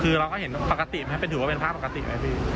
คือเราก็เห็นปกติไหมถือว่าเป็นภาพปกติไหมพี่